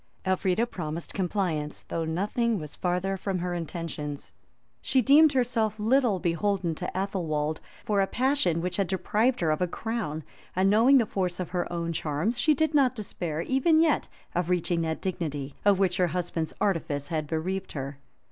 Elfrida promised compliance, though nothing was farther from her intentions. She deemed herself little beholden to Athelwold for a passion which had deprived her of a crown; and knowing the force of her own charms, she did not despair, even yet, of reaching that dignity, of which her husband's artifice had bereaved her.